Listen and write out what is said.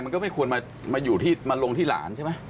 มันก็ไม่ควรมาลงที่หลานใช่ไหม